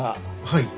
はい。